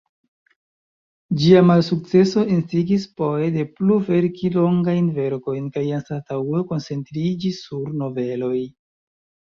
Ĝia malsukceso instigis Poe ne plu verki longajn verkojn, kaj anstataŭe koncentriĝi sur noveloj.